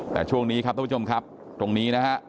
แต่ช่วงนี้ครับท่านผู้ชมครับตรงนี้นะฮะ